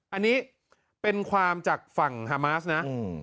อันนี้เป็นความจากฝั่งฮามาสนะ